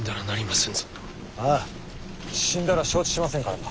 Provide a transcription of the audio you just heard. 死んだら承知しませんからな！